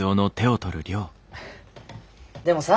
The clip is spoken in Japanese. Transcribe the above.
でもさ。